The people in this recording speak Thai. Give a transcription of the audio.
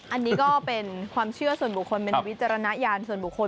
อันนี้ก็เป็นความเชื่อส่วนบุคคลเป็นวิจารณญาณส่วนบุคคล